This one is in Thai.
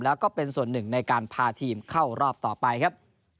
แล้วก็เป็นส่วนหนึ่งในการพาทีมเข้ารอบต่อไปครับ